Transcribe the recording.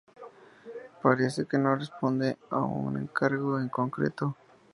Parece que no responde a un encargo en concreto.